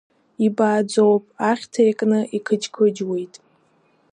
Ибааӡоуп, ахьҭа иакны иқыџьқыџьуеит.